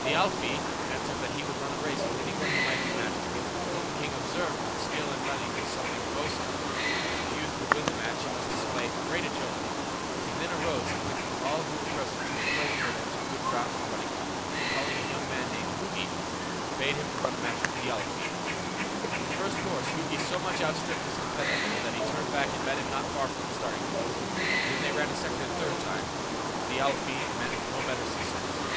Thialfi answered that he would run a race with any one who might be matched against him. The king observed that skill in running was something to boast of, but if the youth would win the match he must display great agility. He then arose and went with all who were present to a plain where there was good ground for running on, and calling a young man named Hugi, bade him run a match with Thialfi. In the first course Hugi so much out stripped his competitor that he turned back and met him not far from the starting place. Then they ran a second and a third time, but Thialfi met with no better success.